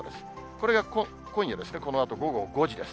これが今夜ですね、このあと午後５時です。